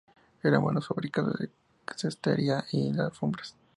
Eran buenos fabricantes de cestería y de alfombras.